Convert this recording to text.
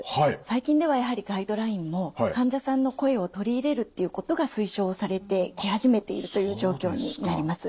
最近ではやはりガイドラインも患者さんの声を取り入れるっていうことが推奨されてき始めているという状況になります。